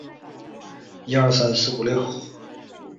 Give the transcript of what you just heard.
图卢兹勒沙托人口变化图示